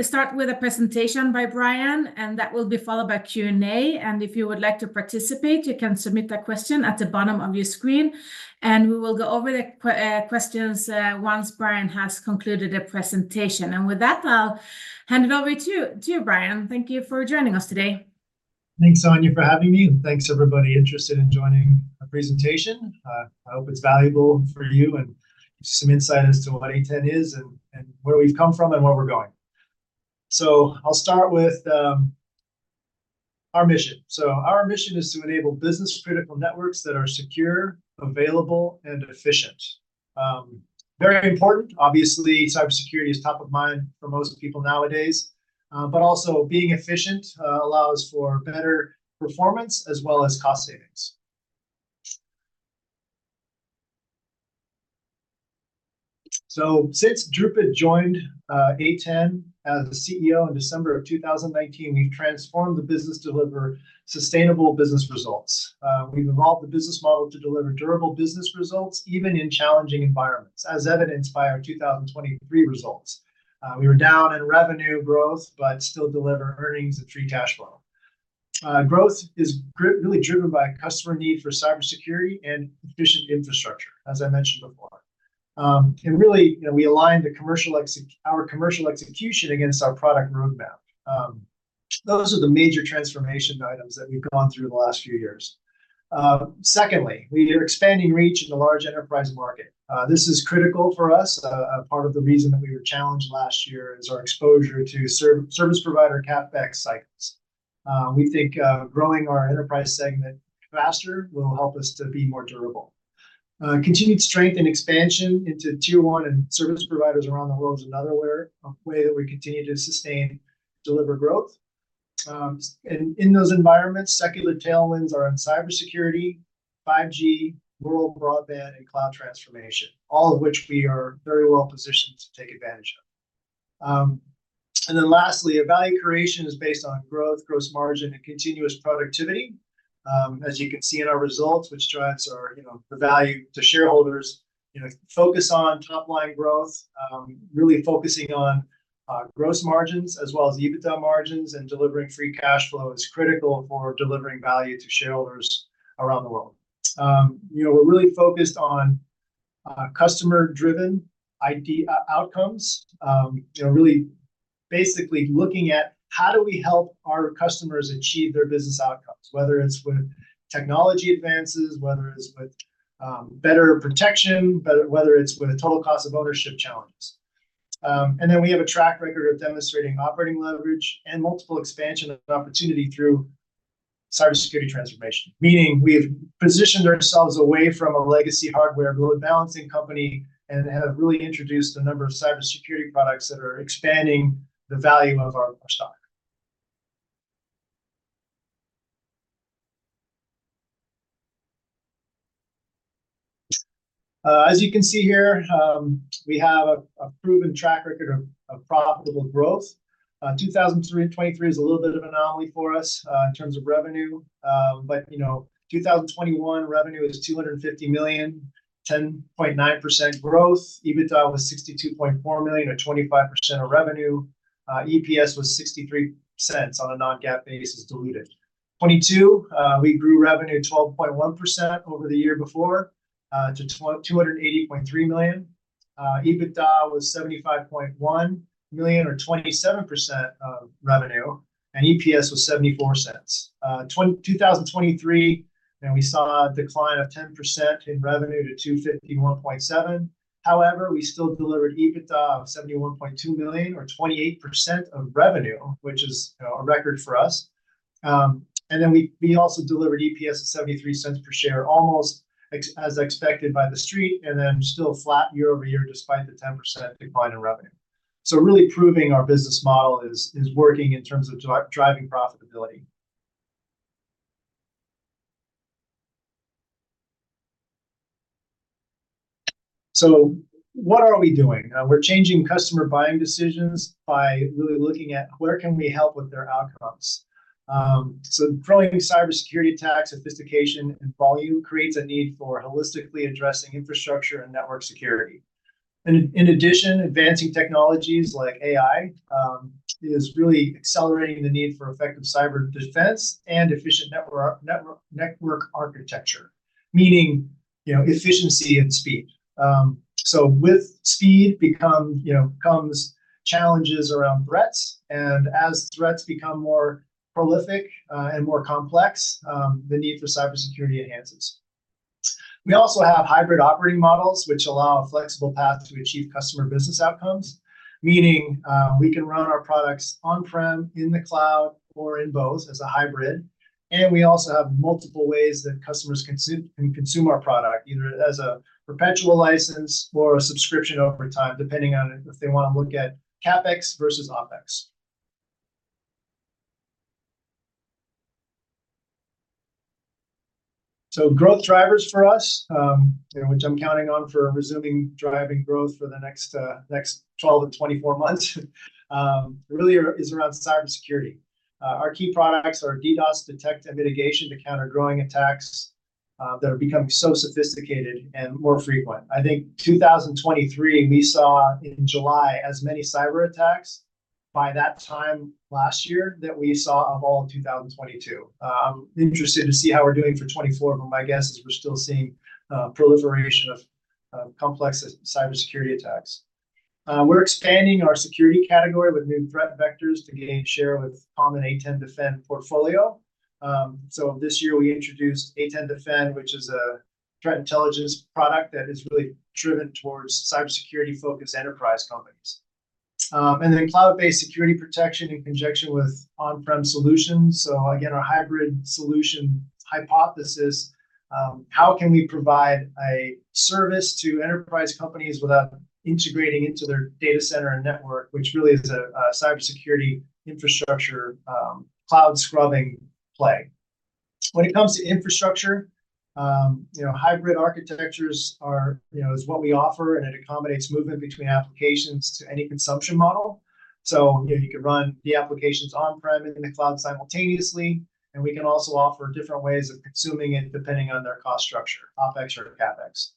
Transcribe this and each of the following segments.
Start with a presentation by Brian, and that will be followed by Q&A. And if you would like to participate, you can submit that question at the bottom of your screen, and we will go over the questions once Brian has concluded the presentation. And with that, I'll hand it over to you, Brian. Thank you for joining us today. Thanks, Anja, for having me, and thanks everybody interested in joining our presentation. I hope it's valuable for you and give some insight as to what A10 is and where we've come from and where we're going. I'll start with our mission. Our mission is to enable business-critical networks that are secure, available, and efficient. Very important. Obviously, cybersecurity is top of mind for most people nowadays, but also being efficient allows for better performance as well as cost savings. So since Dhrupad joined A10 as the CEO in December 2019, we've transformed the business to deliver sustainable business results. We've evolved the business model to deliver durable business results, even in challenging environments, as evidenced by our 2023 results. We were down in revenue growth but still deliver earnings and free cash flow. Growth is really driven by customer need for cybersecurity and efficient infrastructure, as I mentioned before. And really, you know, we aligned our commercial execution against our product roadmap. Those are the major transformation items that we've gone through the last few years. Secondly, we are expanding reach in the large enterprise market. This is critical for us. A part of the reason that we were challenged last year is our exposure to service provider CapEx cycles. We think, growing our enterprise segment faster will help us to be more durable. Continued strength and expansion into Tier 1 and service providers around the world is another way, a way that we continue to sustain, deliver growth. In those environments, secular tailwinds are on cybersecurity, 5G, rural broadband, and cloud transformation, all of which we are very well positioned to take advantage of. Lastly, our value creation is based on growth, gross margin, and continuous productivity. As you can see in our results, which drives our, you know, the value to shareholders. You know, focus on top-line growth, really focusing on gross margins as well as EBITDA margins and delivering free cash flow is critical for delivering value to shareholders around the world. You know, we're really focused on customer-driven outcomes. You know, really basically looking at how do we help our customers achieve their business outcomes, whether it's with technology advances, whether it's with better protection, whether it's with the total cost of ownership challenges. And then we have a track record of demonstrating operating leverage and multiple expansion and opportunity through cybersecurity transformation, meaning we have positioned ourselves away from a legacy hardware load balancing company and have really introduced a number of cybersecurity products that are expanding the value of our stock. As you can see here, we have a proven track record of profitable growth. 2023 is a little bit of an anomaly for us in terms of revenue. But, you know, 2021 revenue is $250 million, 10.9% growth. EBITDA was $62.4 million, or 25% of revenue. EPS was $0.63 on a non-GAAP basis, diluted. 2022, we grew revenue 12.1% over the year before, to $280.3 million. EBITDA was $75 million or 27% of revenue, and EPS was $0.74. 2023, and we saw a decline of 10% in revenue to $251.7 million. However, we still delivered EBITDA of $71.2 million or 28% of revenue, which is, you know, a record for us. And then we also delivered EPS of $0.73 per share, almost as expected by the Street, and then still flat year-over-year, despite the 10% decline in revenue. So really proving our business model is working in terms of driving profitability. So what are we doing? We're changing customer buying decisions by really looking at where can we help with their outcomes. So growing cybersecurity attack, sophistication, and volume creates a need for holistically addressing infrastructure and network security. In addition, advancing technologies like AI is really accelerating the need for effective cyber defense and efficient network architecture, meaning, you know, efficiency and speed. So with speed, you know, comes challenges around threats, and as threats become more prolific and more complex, the need for cybersecurity enhances. We also have hybrid operating models which allow a flexible path to achieve customer business outcomes, meaning we can run our products on-prem, in the cloud, or in both as a hybrid. We also have multiple ways that customers can consume our product, either as a perpetual license or a subscription over time, depending on if they want to look at CapEx versus OpEx. So growth drivers for us, you know, which I'm counting on for resuming driving growth for the next 12-24 months, is around cybersecurity. Our key products are DDoS detection and mitigation to counter growing attacks that are becoming so sophisticated and more frequent. I think 2023, we saw in July as many cyber attacks by that time last year that we saw of all of 2022. I'm interested to see how we're doing for 2024, but my guess is we're still seeing proliferation of complex cybersecurity attacks. We're expanding our security category with new threat vectors to gain share with common A10 Defend portfolio. So this year we introduced A10 Defend, which is a threat intelligence product that is really driven towards cybersecurity-focused enterprise companies. And then cloud-based security protection in conjunction with on-prem solutions. So again, our hybrid solution hypothesis, how can we provide a service to enterprise companies without integrating into their data center and network, which really is a cybersecurity infrastructure, cloud scrubbing play? When it comes to infrastructure, you know, hybrid architectures are, you know, is what we offer, and it accommodates movement between applications to any consumption model. So, you know, you could run the applications on-prem and in the cloud simultaneously, and we can also offer different ways of consuming it, depending on their cost structure, OpEx or CapEx.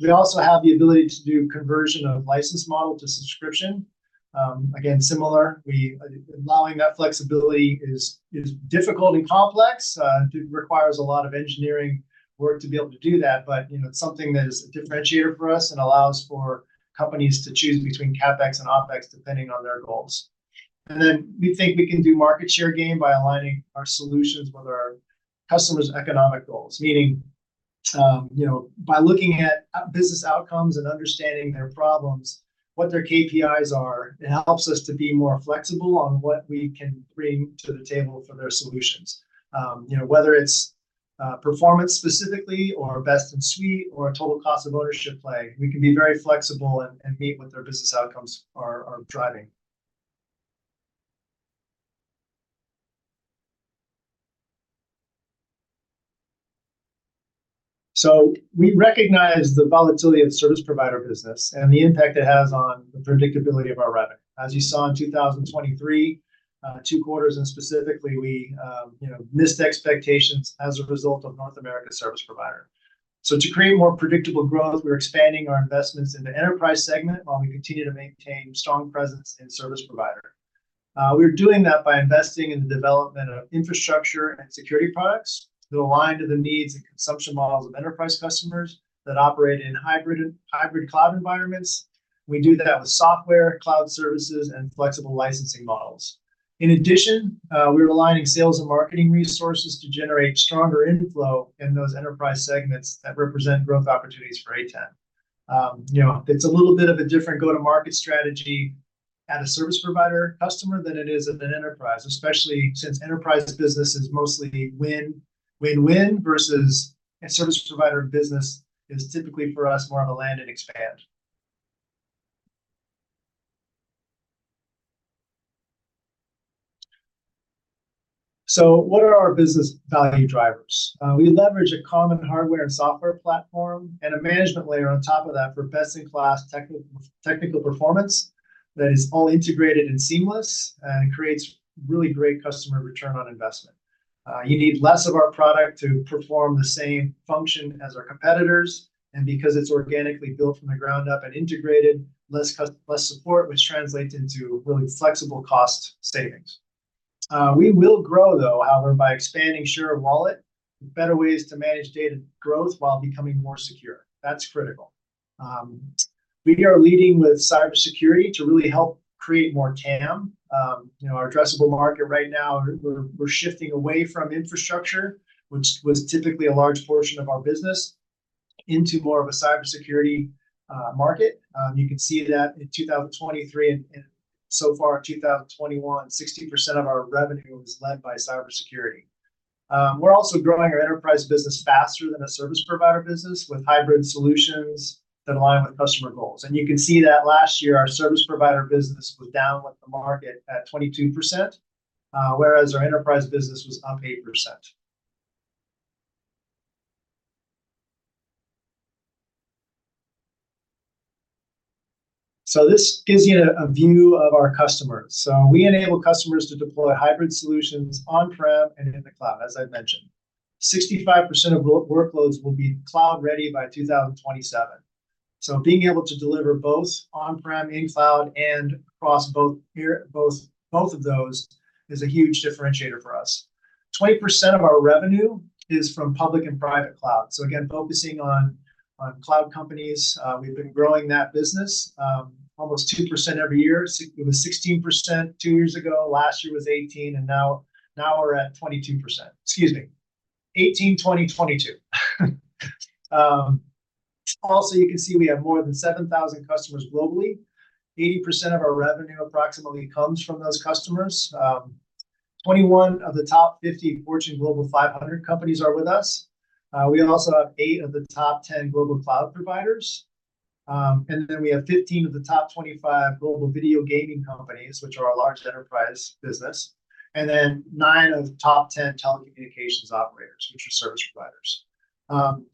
We also have the ability to do conversion of license model to subscription. Again, similar, allowing that flexibility is difficult and complex. It requires a lot of engineering work to be able to do that, but, you know, it's something that is a differentiator for us and allows for companies to choose between CapEx and OpEx, depending on their goals. And then we think we can do market share gain by aligning our solutions with our customers' economic goals. Meaning, you know, by looking at business outcomes and understanding their problems, what their KPIs are, it helps us to be more flexible on what we can bring to the table for their solutions. You know, whether it's performance specifically, or best in suite, or a total cost of ownership play, we can be very flexible and meet what their business outcomes are driving. So we recognize the volatility of the service provider business and the impact it has on the predictability of our revenue. As you saw in 2023, two quarters, and specifically, we, you know, missed expectations as a result of North America service provider. So to create more predictable growth, we're expanding our investments in the enterprise segment, while we continue to maintain strong presence in service provider. We're doing that by investing in the development of infrastructure and security products that align to the needs and consumption models of enterprise customers that operate in hybrid cloud environments. We do that with software, cloud services, and flexible licensing models. In addition, we're aligning sales and marketing resources to generate stronger inflow in those enterprise segments that represent growth opportunities for A10. You know, it's a little bit of a different go-to-market strategy at a service provider customer than it is at an enterprise, especially since enterprise business is mostly win-win-win versus a service provider business is typically, for us, more of a land and expand. So what are our business value drivers? We leverage a common hardware and software platform and a management layer on top of that for best-in-class technical performance that is all integrated and seamless, and creates really great customer return on investment. You need less of our product to perform the same function as our competitors, and because it's organically built from the ground up and integrated, less support, which translates into really flexible cost savings. We will grow, though, however, by expanding share of wallet, better ways to manage data growth while becoming more secure. That's critical. We are leading with cybersecurity to really help create more TAM. You know, our addressable market right now, we're shifting away from infrastructure, which was typically a large portion of our business, into more of a cybersecurity market. You can see that in 2023, and so far in 2021, 60% of our revenue was led by cybersecurity. We're also growing our enterprise business faster than a service provider business with hybrid solutions that align with customer goals. And you can see that last year, our service provider business was down with the market at 22%, whereas our enterprise business was up 8%. So this gives you a view of our customers. So we enable customers to deploy hybrid solutions on-prem and in the cloud, as I've mentioned. 65% of workloads will be cloud ready by 2027. So being able to deliver both on-prem, in cloud, and across both of those, is a huge differentiator for us. 20% of our revenue is from public and private cloud. So again, focusing on cloud companies, we've been growing that business, almost 2% every year. So it was 16% two years ago, last year was 18%, and now we're at 22%. Excuse me, 18, 20, 22. Also, you can see we have more than 7,000 customers globally. 80% of our revenue approximately comes from those customers. 21 of the top 50 Fortune Global 500 companies are with us. We also have eight of the top 10 global cloud providers. And then we have 15 of the top 25 global video gaming companies, which are our largest enterprise business, and then nine of the top 10 telecommunications operators, which are service providers.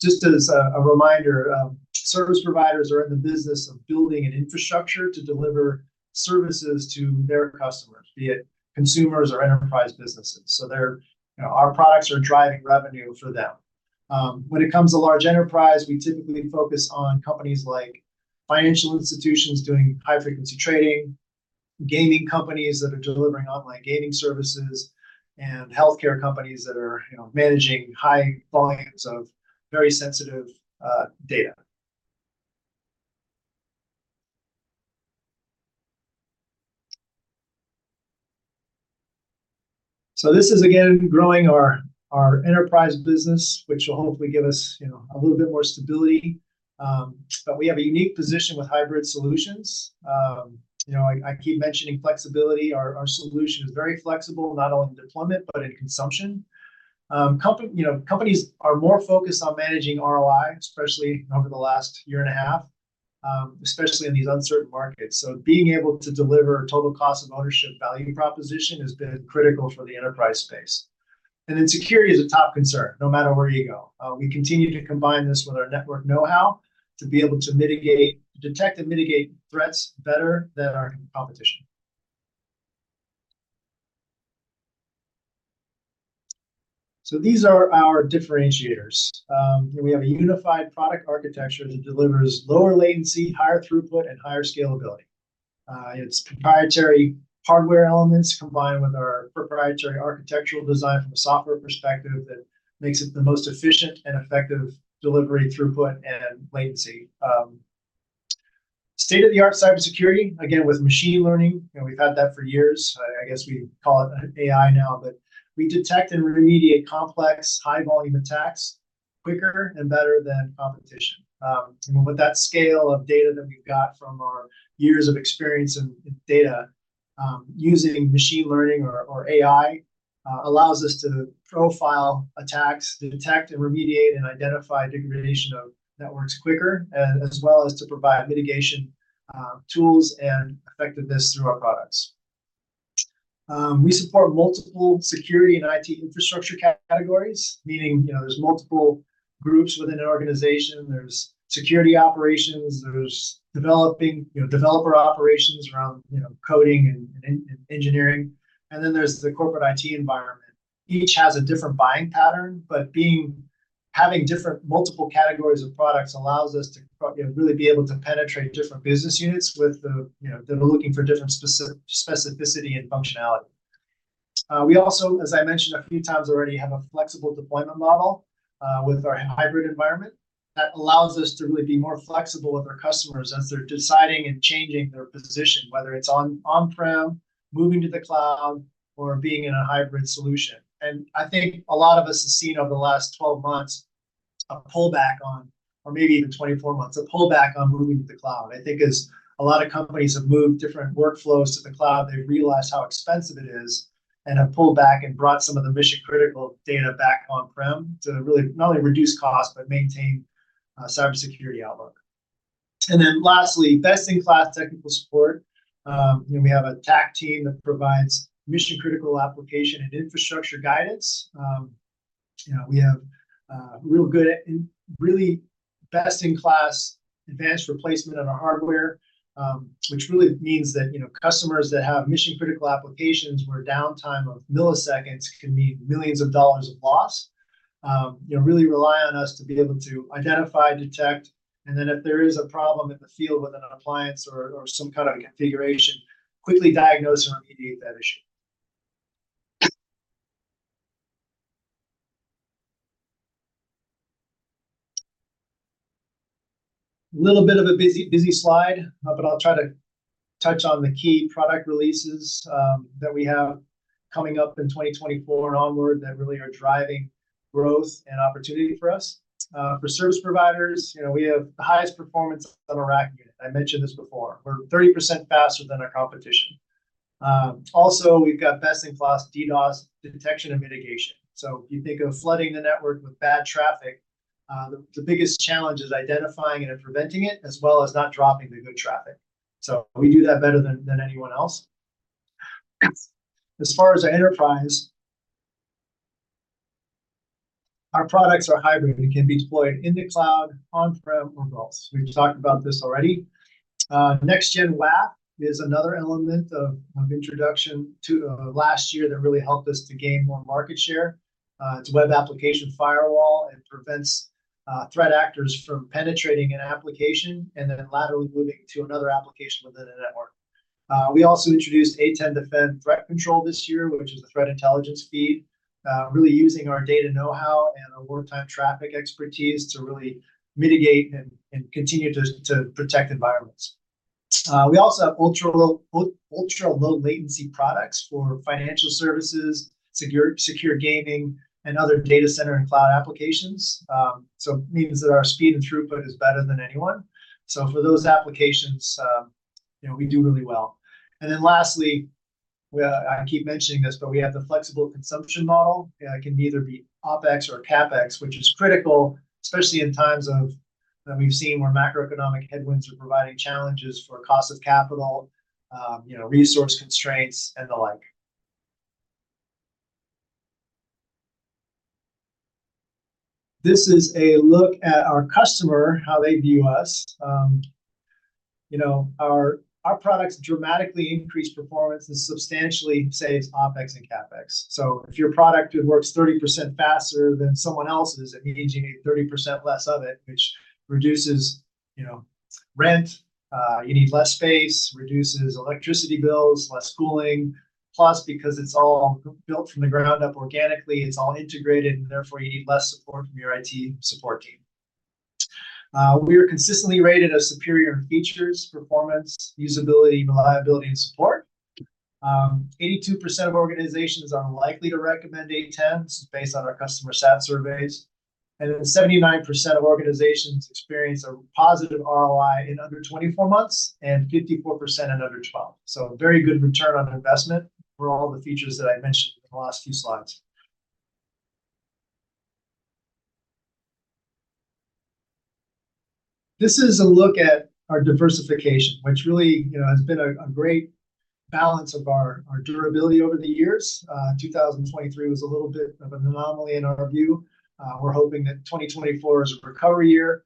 Just as a reminder, service providers are in the business of building an infrastructure to deliver services to their customers, be it consumers or enterprise businesses. So they're, you know, our products are driving revenue for them. When it comes to large enterprise, we typically focus on companies like financial institutions doing high-frequency trading, gaming companies that are delivering online gaming services, and healthcare companies that are, you know, managing high volumes of very sensitive data. So this is, again, growing our enterprise business, which will hopefully give us, you know, a little bit more stability. But we have a unique position with hybrid solutions. You know, I keep mentioning flexibility. Our solution is very flexible, not only in deployment but in consumption. You know, companies are more focused on managing ROI, especially over the last year and a half, especially in these uncertain markets. So being able to deliver total cost of ownership value proposition has been critical for the enterprise space. And then security is a top concern, no matter where you go. We continue to combine this with our network know-how, to be able to detect and mitigate threats better than our competition. So these are our differentiators. We have a unified product architecture that delivers lower latency, higher throughput, and higher scalability. Its proprietary hardware elements, combined with our proprietary architectural design from a software perspective, that makes it the most efficient and effective delivery, throughput, and latency. State-of-the-art cybersecurity, again, with machine learning, and we've had that for years. I guess we call it AI now, but we detect and remediate complex, high-volume attacks quicker and better than competition. With that scale of data that we've got from our years of experience in data, using machine learning or AI, allows us to profile attacks, to detect and remediate and identify degradation of networks quicker, as well as to provide mitigation tools and effectiveness through our products. We support multiple security and IT infrastructure categories, meaning, you know, there's multiple groups within an organization. There's security operations, there's developing, you know, developer operations around, you know, coding and engineering, and then there's the corporate IT environment. Each has a different buying pattern, but having different multiple categories of products allows us to, you know, really be able to penetrate different business units with the, you know, that we're looking for different specificity and functionality. We also, as I mentioned a few times already, have a flexible deployment model, with our hybrid environment, that allows us to really be more flexible with our customers as they're deciding and changing their position, whether it's on-prem, moving to the cloud, or being in a hybrid solution. And I think a lot of us have seen over the last 12 months, a pullback on, or maybe even 24 months, a pullback on moving to the cloud. I think as a lot of companies have moved different workflows to the cloud, they realize how expensive it is, and have pulled back and brought some of the mission-critical data back on-prem to really not only reduce cost but maintain cybersecurity outlook. And then lastly, best-in-class technical support. You know, we have a TAC team that provides mission-critical application and infrastructure guidance. You know, we have real good and really best-in-class advanced replacement on our hardware, which really means that, you know, customers that have mission-critical applications, where downtime of milliseconds can mean millions of dollars of loss, you know, really rely on us to be able to identify, detect, and then if there is a problem in the field within an appliance or some kind of a configuration, quickly diagnose and remediate that issue. Little bit of a busy, busy slide, but I'll try to touch on the key product releases that we have coming up in 2024 and onward that really are driving growth and opportunity for us. For service providers, you know, we have the highest performance on a rack unit. I mentioned this before, we're 30% faster than our competition. Also, we've got best-in-class DDoS detection and mitigation. So if you think of flooding the network with bad traffic, the biggest challenge is identifying and preventing it, as well as not dropping the good traffic. So we do that better than anyone else. As far as the enterprise, our products are hybrid and can be deployed in the cloud, on-prem, or both. We've talked about this already. Next-Gen WAF is another element of introduction to last year that really helped us to gain more market share. It's a web application firewall. It prevents threat actors from penetrating an application and then laterally moving to another application within a network. We also introduced A10 Defend Threat Control this year, which is a threat intelligence feed, really using our data know-how and our real-time traffic expertise to really mitigate and continue to protect environments. We also have ultra low latency products for financial services, secure gaming, and other data center and cloud applications. So it means that our speed and throughput is better than anyone. So for those applications, you know, we do really well. And then lastly, we are. I keep mentioning this, but we have the flexible consumption model. It can either be OpEx or CapEx, which is critical, especially in times of... that we've seen where macroeconomic headwinds are providing challenges for cost of capital, you know, resource constraints, and the like. This is a look at our customer, how they view us. You know, our products dramatically increase performance and substantially saves OpEx and CapEx. So if your product works 30% faster than someone else's, it means you need 30% less of it, which reduces, you know, rent, you need less space, reduces electricity bills, less cooling. Plus, because it's all built from the ground up organically, it's all integrated, and therefore you need less support from your IT support team. We are consistently rated as superior in features, performance, usability, reliability, and support. 82% of organizations are likely to recommend A10, this is based on our customer sat surveys. And then 79% of organizations experience a positive ROI in under 24 months and 54% in under 12. So a very good return on investment for all the features that I mentioned in the last few slides. This is a look at our diversification, which really, you know, has been a great balance of our durability over the years. 2023 was a little bit of an anomaly in our view. We're hoping that 2024 is a recovery year,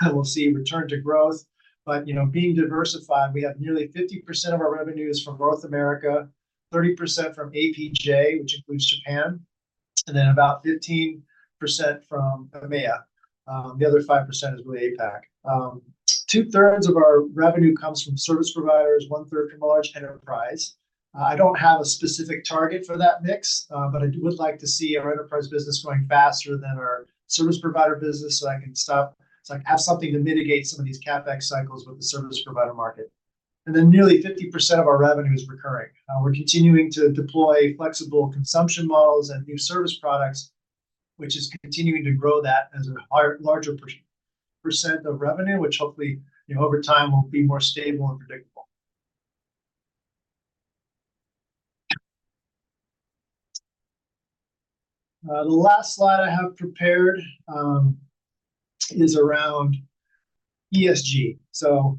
and we'll see a return to growth. But, you know, being diversified, we have nearly 50% of our revenue is from North America, 30% from APJ, which includes Japan, and then about 15% from EMEA. The other 5% is really APAC. 2/3 of our revenue comes from service providers, 1/3 from large enterprise. I don't have a specific target for that mix, but I would like to see our enterprise business growing faster than our service provider business, so I can stop, so I can have something to mitigate some of these CapEx cycles with the service provider market. Then nearly 50% of our revenue is recurring. We're continuing to deploy flexible consumption models and new service products, which is continuing to grow that as a larger percentage of revenue, which hopefully, you know, over time will be more stable and predictable. The last slide I have prepared is around ESG. You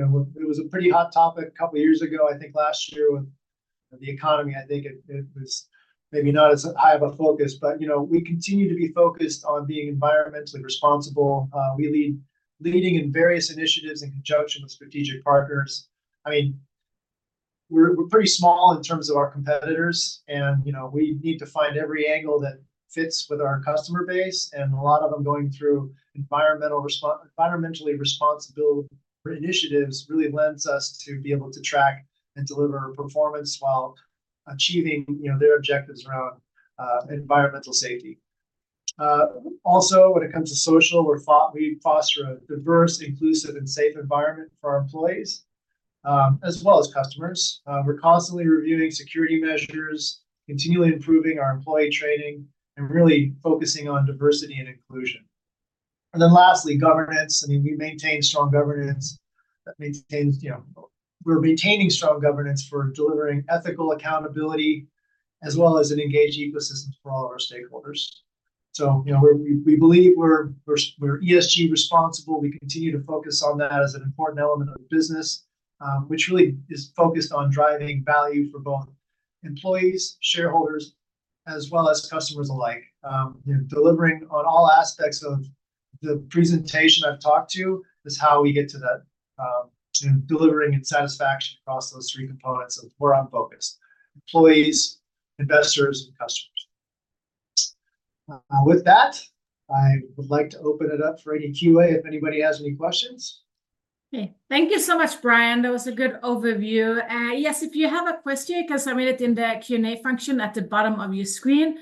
know, it was a pretty hot topic a couple of years ago. I think last year with the economy, I think it was maybe not as high of a focus, but, you know, we continue to be focused on being environmentally responsible. We lead in various initiatives in conjunction with strategic partners. I mean, we're pretty small in terms of our competitors, and, you know, we need to find every angle that fits with our customer base, and a lot of them going through environmentally responsible initiatives, really lends us to be able to track and deliver performance while achieving, you know, their objectives around environmental safety. Also, when it comes to social, we foster a diverse, inclusive and safe environment for our employees, as well as customers. We're constantly reviewing security measures, continually improving our employee training, and really focusing on diversity and inclusion. And then lastly, governance. I mean, we maintain strong governance that maintains, you know. We're retaining strong governance for delivering ethical accountability, as well as an engaged ecosystem for all of our stakeholders. So, you know, we believe we're ESG responsible. We continue to focus on that as an important element of the business, which really is focused on driving value for both employees, shareholders, as well as customers alike. You know, delivering on all aspects of the presentation I've talked to, is how we get to that, you know, delivering and satisfaction across those three components of where I'm focused: employees, investors, and customers. With that, I would like to open it up for any Q&A if anybody has any questions. Okay. Thank you so much, Brian. That was a good overview. Yes, if you have a question, you can submit it in the Q&A function at the bottom of your screen,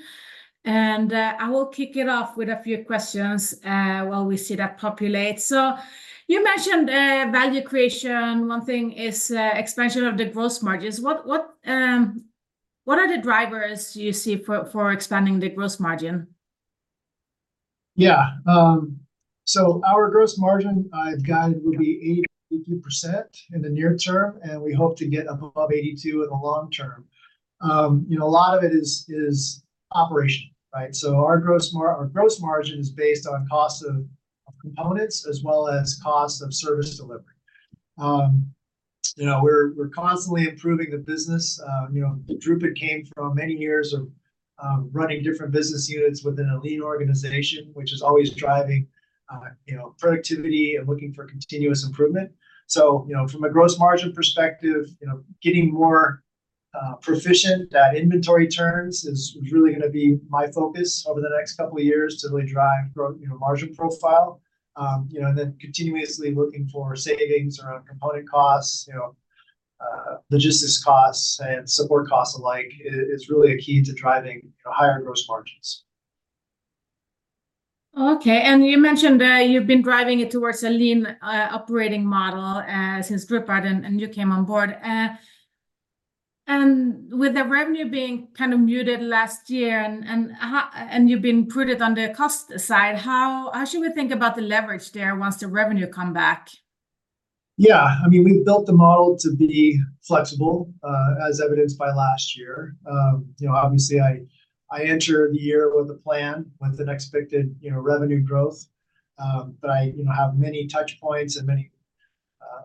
and I will kick it off with a few questions while we see that populate. So you mentioned value creation. One thing is expansion of the gross margins. What are the drivers you see for expanding the gross margin? Yeah. So our gross margin guided would be 8% in the near term, and we hope to get above 82% in the long term. You know, a lot of it is operational, right? So our gross margin is based on cost of components as well as cost of service delivery. You know, we're constantly improving the business. You know, Dhrupad came from many years of running different business units within a lean organization, which is always driving productivity and looking for continuous improvement. So, you know, from a gross margin perspective, you know, getting more proficient at inventory turns is really gonna be my focus over the next couple of years to really drive gross margin profile. You know, and then continuously looking for savings around component costs, you know, logistics costs and support costs alike, is really a key to driving higher gross margins. Okay. You mentioned that you've been driving it towards a lean operating model since Dhrupad and you came on board. And with the revenue being kind of muted last year, and you've been prudent on the cost side, how should we think about the leverage there once the revenue come back? Yeah. I mean, we've built the model to be flexible, as evidenced by last year. You know, obviously, I entered the year with a plan, with an expected, you know, revenue growth. But I, you know, have many touch points and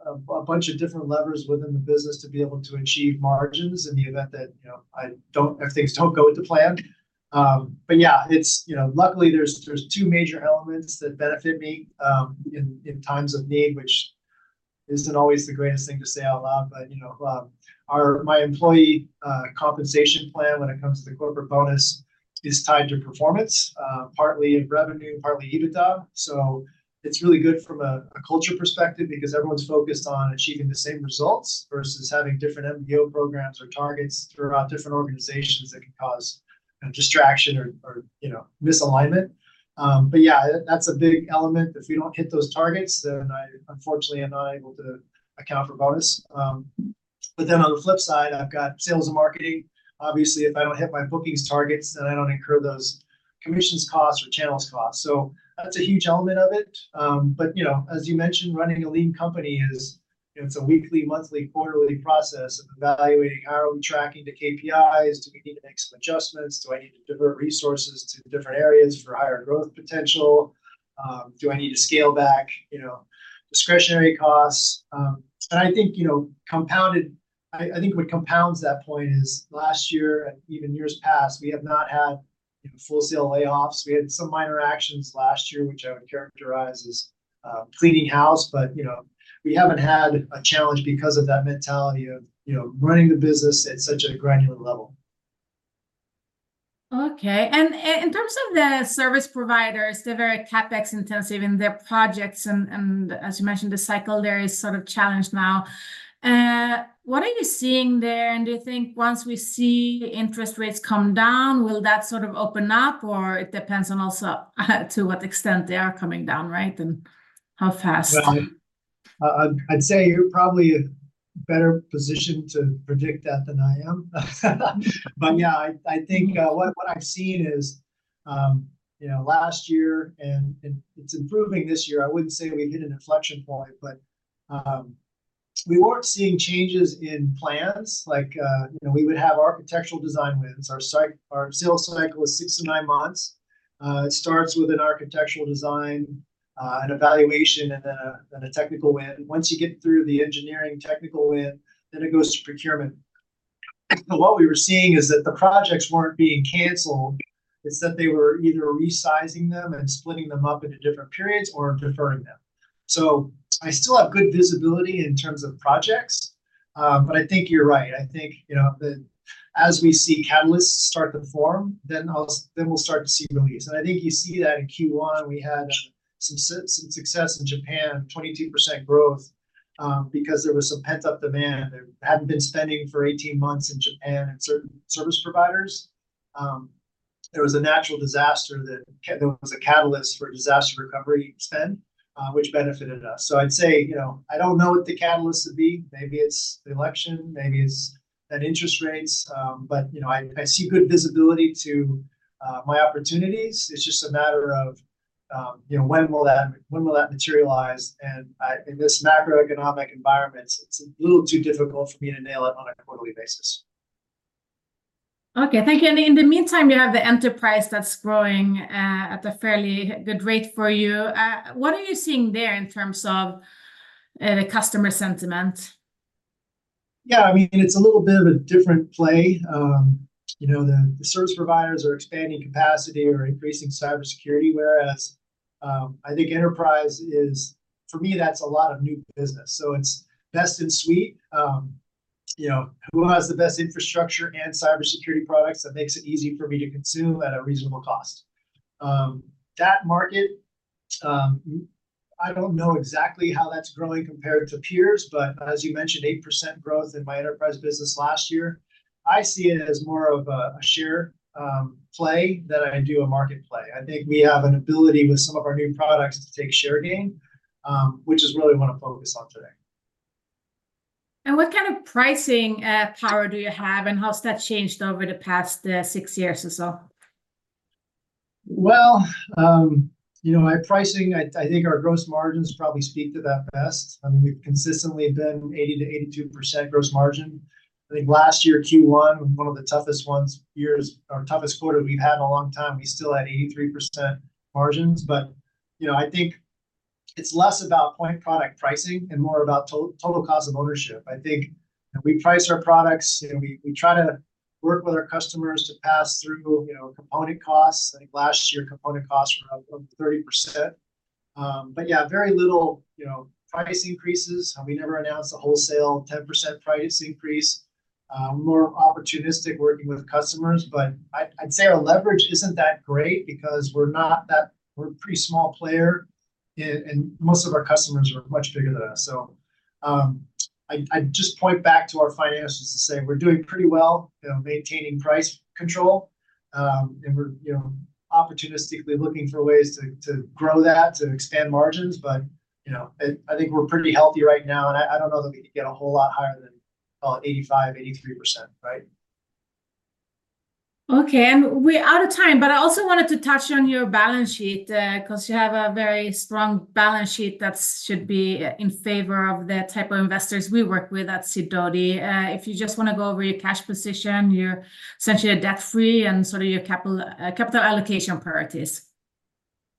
a bunch of different levers within the business to be able to achieve margins in the event that, you know, if things don't go as planned. But yeah, it's, you know, luckily, there's two major elements that benefit me in times of need, which isn't always the greatest thing to say out loud. But, you know, my employee compensation plan when it comes to the corporate bonus is tied to performance, partly in revenue, partly EBITDA. So it's really good from a culture perspective because everyone's focused on achieving the same results versus having different MBO programs or targets throughout different organizations that can cause distraction or, you know, misalignment. But yeah, that's a big element. If we don't hit those targets, then I unfortunately am not able to account for bonus. But then on the flip side, I've got sales and marketing. Obviously, if I don't hit my bookings targets, then I don't incur those commissions costs or channels costs. So that's a huge element of it. But you know, as you mentioned, running a lean company is, it's a weekly, monthly, quarterly process of evaluating, how are we tracking the KPIs? Do we need to make some adjustments? Do I need to divert resources to different areas for higher growth potential? Do I need to scale back, you know, discretionary costs? And I think, you know, what compounds that point is, last year and even years past, we have not had, you know, full-scale layoffs. We had some minor actions last year, which I would characterize as, cleaning house, but, you know, we haven't had a challenge because of that mentality of, you know, running the business at such a granular level. Okay. And in terms of the service providers, they're very CapEx intensive in their projects, and as you mentioned, the cycle there is sort of challenged now. What are you seeing there, and do you think once we see interest rates come down, will that sort of open up, or it depends on also, to what extent they are coming down, right? And how fast? Well, I'd say you're probably in a better position to predict that than I am. But yeah, I think what I've seen is, you know, last year, and it's improving this year. I wouldn't say we hit an inflection point, but we weren't seeing changes in plans, like, you know, we would have architectural design wins. Our sales cycle is six to nine months. It starts with an architectural design, an evaluation, and then a technical win. Once you get through the engineering technical win, then it goes to procurement. So what we were seeing is that the projects weren't being canceled; it's that they were either resizing them and splitting them up into different periods or deferring them. So I still have good visibility in terms of projects. But I think you're right. I think, you know, that as we see catalysts start to form, then we'll start to see release. And I think you see that in Q1, we had some success in Japan, 22% growth, because there was some pent-up demand. They hadn't been spending for 18 months in Japan and certain service providers. There was a natural disaster that there was a catalyst for disaster recovery spend, which benefited us. So I'd say, you know, I don't know what the catalyst would be. Maybe it's the election, maybe it's an interest rates, but, you know, I see good visibility to my opportunities. It's just a matter of, you know, when will that materialize? In this macroeconomic environment, it's a little too difficult for me to nail it on a quarterly basis. Okay, thank you. In the meantime, you have the enterprise that's growing at a fairly good rate for you. What are you seeing there in terms of the customer sentiment? Yeah, I mean, it's a little bit of a different play. You know, the service providers are expanding capacity or increasing cybersecurity, whereas I think enterprise is, for me, that's a lot of new business. So it's best in suite. You know, who has the best infrastructure and cybersecurity products that makes it easy for me to consume at a reasonable cost? That market, I don't know exactly how that's growing compared to peers, but as you mentioned, 8% growth in my enterprise business last year. I see it as more of a share play than I do a market play. I think we have an ability with some of our new products to take share gain, which is really want to focus on today. What kind of pricing power do you have, and how's that changed over the past six years or so? Well, you know, my pricing, I, I think our gross margins probably speak to that best. I mean, we've consistently been 80%-82% gross margin. I think last year, Q1, one of the toughest ones, years, or toughest quarter we've had in a long time, we still had 83% margins. But, you know, I think it's less about point product pricing and more about total cost of ownership. I think we price our products, you know, we, we try to work with our customers to pass through, you know, component costs. I think last year, component costs were up to 30%. But yeah, very little, you know, price increases. We never announced a wholesale 10% price increase. More opportunistic working with customers, but I'd, I'd say our leverage isn't that great because we're not that... We're a pretty small player, and most of our customers are much bigger than us. So, I just point back to our financials to say we're doing pretty well, you know, maintaining price control. And we're, you know, opportunistically looking for ways to grow that, to expand margins. But, you know, I think we're pretty healthy right now, and I don't know that we could get a whole lot higher than 85%-83%, right? Okay, and we're out of time, but I also wanted to touch on your balance sheet, 'cause you have a very strong balance sheet that should be in favor of the type of investors we work with at Sidoti. If you just wanna go over your cash position, you're essentially a debt-free and sort of your capital, capital allocation priorities....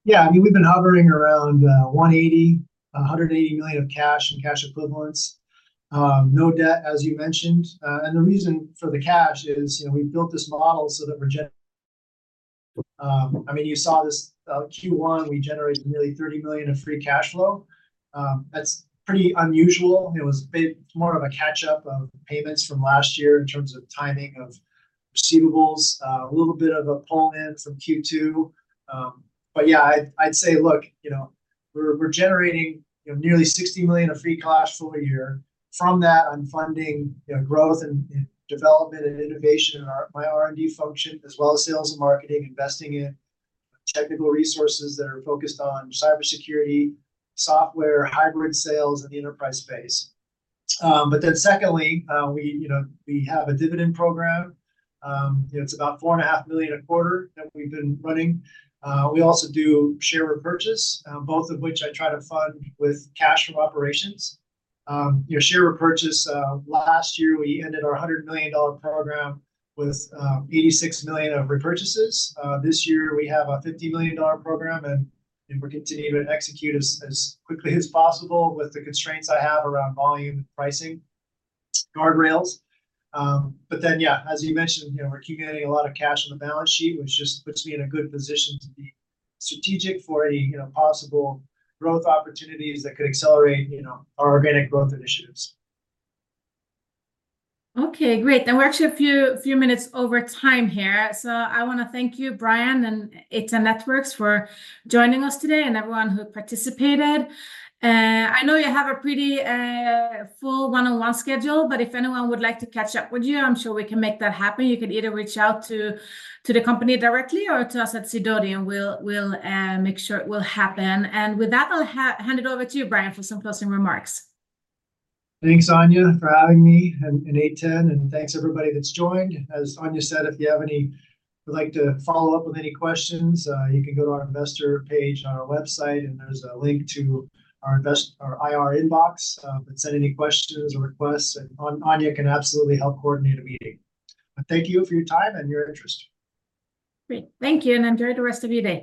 Yeah, I mean, we've been hovering around 180, $180 million of cash and cash equivalents. No debt, as you mentioned. And the reason for the cash is, you know, we've built this model so that we're generating. I mean, you saw this, Q1, we generated nearly $30 million of free cash flow. That's pretty unusual. It was a bit more of a catch-up of payments from last year in terms of timing of receivables, a little bit of a pull-in from Q2. But yeah, I, I'd say, look, you know, we're generating, you know, nearly $60 million of free cash flow a year. From that, I'm funding, you know, growth and, and development and innovation in our, my R&D function, as well as sales and marketing, investing in technical resources that are focused on cybersecurity, software, hybrid sales, and the enterprise space. But then secondly, we, you know, we have a dividend program. You know, it's about $4.5 million a quarter that we've been running. We also do share repurchase, both of which I try to fund with cash from operations. You know, share repurchase, last year, we ended our $100 million program with, $86 million of repurchases. This year we have a $50 million program, and, and we're continuing to execute as, as quickly as possible with the constraints I have around volume and pricing guardrails. Yeah, as you mentioned, you know, we're accumulating a lot of cash on the balance sheet, which just puts me in a good position to be strategic for any, you know, possible growth opportunities that could accelerate, you know, our organic growth initiatives. Okay, great. And we're actually a few minutes over time here. So I wanna thank you, Brian, and A10 Networks for joining us today, and everyone who participated. I know you have a pretty full one-on-one schedule, but if anyone would like to catch up with you, I'm sure we can make that happen. You can either reach out to the company directly or to us at Sidoti, and we'll make sure it will happen. And with that, I'll hand it over to you, Brian, for some closing remarks. Thanks, Anja, for having me and A10, and thanks everybody that's joined. As Anja said, if you have any... would like to follow up with any questions, you can go to our investor page on our website, and there's a link to our invest- our IR inbox. But send any questions or requests, and Anja can absolutely help coordinate a meeting. But thank you for your time and your interest. Great. Thank you, and enjoy the rest of your day.